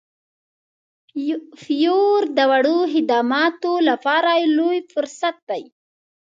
فیور د وړو خدماتو لپاره لوی فرصت دی.